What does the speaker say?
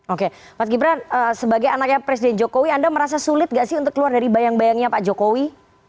oke mas gibran sebagai anaknya presiden jokowi anda merasa sulit gak sih untuk keluar dari bayang bayangnya pak jokowi